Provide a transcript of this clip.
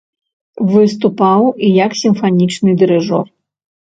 Выступаў і як сімфанічны дырыжор.